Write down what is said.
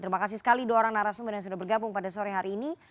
terima kasih sekali dua orang narasumber yang sudah bergabung pada sore hari ini